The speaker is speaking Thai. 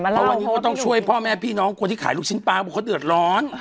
เพราะวันนี้ก็ต้องช่วยพ่อแม่พี่น้องคนที่ขายลูกชิ้นปลาบอกเขาเดือดร้อน